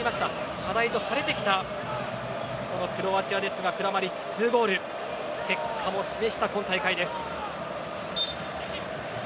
課題とされてきたクロアチアですがクラマリッチが２ゴールで結果も示した今大会です。